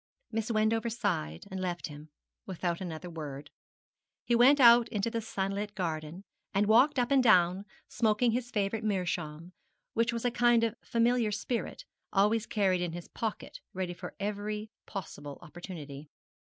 Miss Wendover sighed, and left him, without another word. He went out into the sunlit garden, and walked up and down smoking his favourite meerschaum, which was a kind of familiar spirit, always carried in his pocket ready for every possible opportunity.